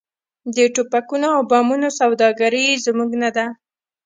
د ټوپکونو او بمونو سوداګري یې زموږ نه ده.